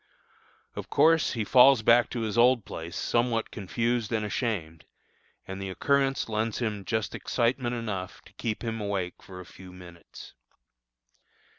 Of course, he falls back to his old place somewhat confused and ashamed, and the occurrence lends him just excitement enough to keep him awake for a few minutes.